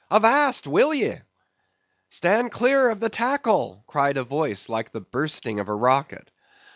Avast, will ye!" "Stand clear of the tackle!" cried a voice like the bursting of a rocket.